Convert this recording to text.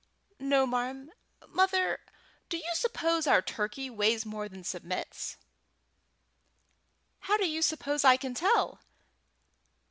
"No, marm. Mother, do you suppose our turkey weighs more than Submit's?" "How do you suppose I can tell?